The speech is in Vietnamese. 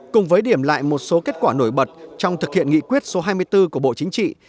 cùng với điểm lại một số kết quả nổi bật trong thực hiện nghị quyết số hai mươi bốn của bộ chính trị